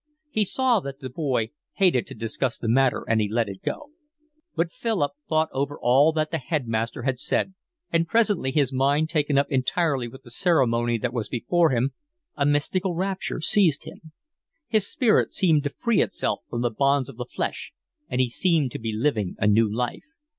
He saw that the boy hated to discuss the matter and he let him go. But Philip thought over all that the headmaster had said, and presently, his mind taken up entirely with the ceremony that was before him, a mystical rapture seized him. His spirit seemed to free itself from the bonds of the flesh and he seemed to be living a new life.